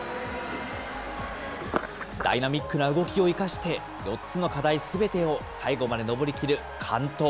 ダイナミックな動きを生かして、４つの課題すべてを最後まで登り切る完登。